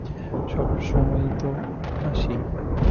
সবসময়-ই তো আসি।